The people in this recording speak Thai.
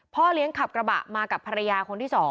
เลี้ยงขับกระบะมากับภรรยาคนที่๒